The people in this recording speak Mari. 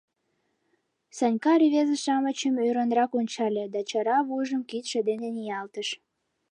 Санька рвезе-шамычым ӧрынрак ончале да чара вуйжым кидше дене ниялтыш.